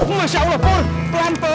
masya allah pur